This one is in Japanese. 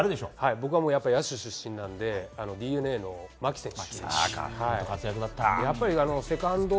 僕は野手出身なのでＤｅＮＡの牧選手。